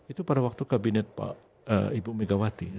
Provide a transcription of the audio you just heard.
itu pada waktu kabinet pak ibu megawati